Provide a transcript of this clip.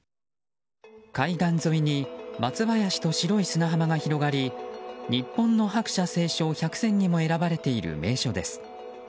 海岸沿いに松林と白い砂浜が広がり日本の白砂青松１００選にも選ばれている名所です。